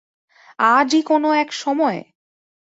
আজই কোনো একসময়!